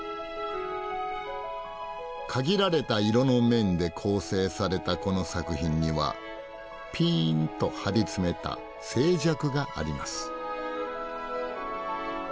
限られた色の面で構成されたこの作品にはピーンと張り詰めた静寂があります。